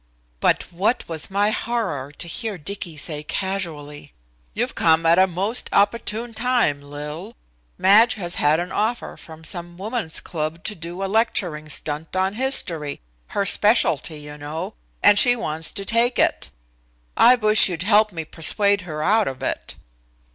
But what was my horror to hear Dicky say casually: "You've come at a most opportune time, Lil. Madge has had an offer from some woman's club to do a lecturing stunt on history, her specialty, you know, and she wants to take it. I wish you'd help me persuade her out of it."